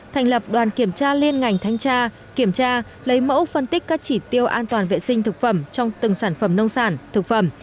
thành lập đoàn kiểm tra liên ngành thanh tra kiểm tra lấy mẫu phân tích các chỉ tiêu an toàn vệ sinh thực phẩm